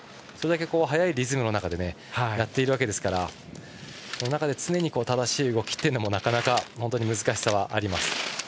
それだけ速いリズムの中でやっているわけですからその中で常に正しい動きもなかなか難しさがあります。